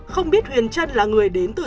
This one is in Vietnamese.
không biết huyền trân là người đến từ